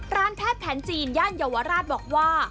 แพทย์แผนจีนย่านเยาวราชบอกว่า